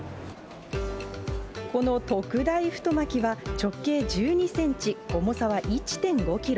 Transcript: この特大太巻きは、直径１２センチ、重さは１．５キロ。